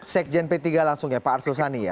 sekjen p tiga langsung ya pak arsosani ya